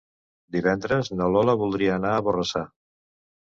Divendres na Lola voldria anar a Borrassà.